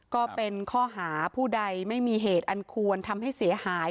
ก็เป็นข้อหาผู้ใดไม่มีเหตุอันควรทำให้เสียหาย